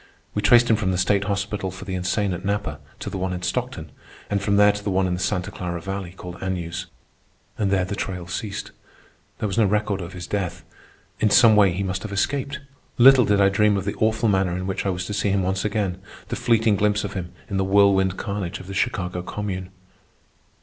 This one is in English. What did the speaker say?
We traced him from the state hospital for the insane at Napa to the one in Stockton, and from there to the one in the Santa Clara Valley called Agnews, and there the trail ceased. There was no record of his death. In some way he must have escaped. Little did I dream of the awful manner in which I was to see him once again—the fleeting glimpse of him in the whirlwind carnage of the Chicago Commune.